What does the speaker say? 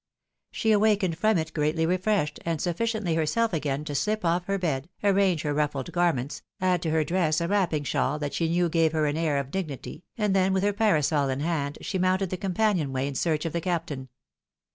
She awakened from it greatly refreshed, and sufficiently her self again, to shp off her bed, arrange her ruffled garments, add to her dress a wrapping shawl that she knew gave her an air of dignity, and then, with her parasol in hand, she mounted the companion way in search of the captain.